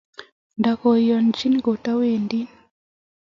Ndikyangen kotawendi